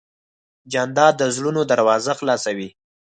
جانداد د زړونو دروازه خلاصوي.